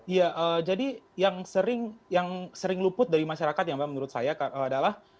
ya jadi yang sering luput dari masyarakat ya mbak menurut saya adalah